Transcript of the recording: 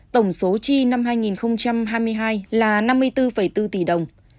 tổng số chi năm hai nghìn hai mươi hai là năm mươi bốn bốn tỷ đồng